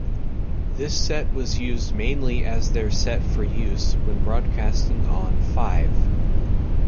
This set was used mainly as their set for use when broadcasting on Five.